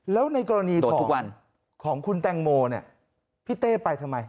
แล้วในกรณีของคุณแตงโมเนี่ยพี่เต้ไปทำไม